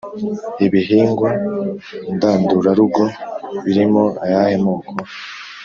ibihingwa ngandurarugo birimo ayahe moko?